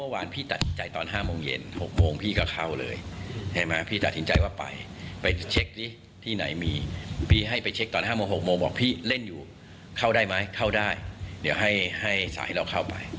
ห้าโมง๖โมงบอกพี่เล่นอยู่เข้าได้ไหมเข้าได้เดี๋ยวให้สายเราเข้าไป